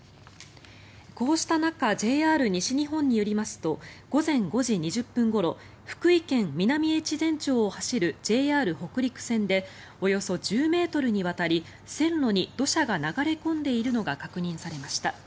こうした中ＪＲ西日本によりますと午前５時２０分ごろ福井県南越前町を走るＪＲ北陸線でおよそ１０ｍにわたり線路に土砂が流れ込んでいるのが確認されました。